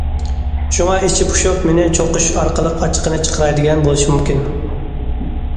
شۇڭا ئىچى پۇشۇپ مېنى چوقۇش ئارقىلىق ئاچچىقىنى چىقىراي دېگەن بولۇشى مۇمكىن.